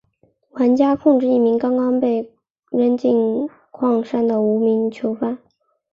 玩家控制一名刚刚被扔进矿山的无名囚犯。